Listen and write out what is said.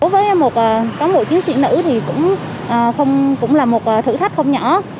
với một cán bộ chiến sĩ nữ thì cũng là một thử thách không nhỏ